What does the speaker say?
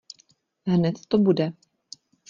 Hned to bude.